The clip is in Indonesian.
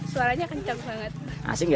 suaranya kencang banget